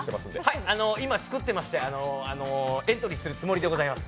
はい、今作ってましてエントリーするつもりです。